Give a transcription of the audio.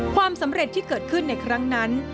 ความสำเร็จที่เกิดขึ้นในครั้งนั้น